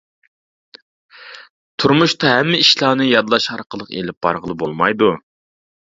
تۇرمۇشتا ھەممە ئىشلارنى يادلاش ئارقىلىق ئېلىپ بارغىلى بولمايدۇ.